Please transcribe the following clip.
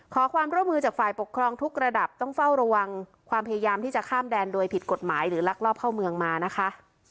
ขอความร่วมมือจากฝ่ายปกครองทุกระดับต้องเฝ้าระวังความพยายามที่จะข้ามแดนโดยผิดกฎหมายหรือลักลอบเข้าเมืองมานะคะ